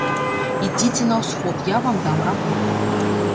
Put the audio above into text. Ідзіце на ўсход, я вам дам работу.